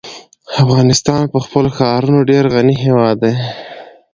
افغانستان په خپلو ښارونو ډېر غني هېواد دی.